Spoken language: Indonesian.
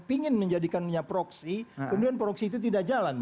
ingin menjadikannya proxy kemudian proxy itu tidak jalan